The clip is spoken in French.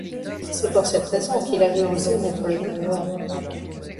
C’est pour cette raison qu’il avait osé mettre le nez dehors.